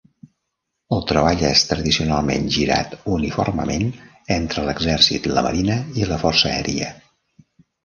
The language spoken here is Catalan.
El treball és tradicionalment girat uniformement entre l'exèrcit, la Marina i la força aèria.